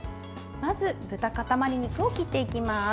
まず豚かたまり肉を切っていきます。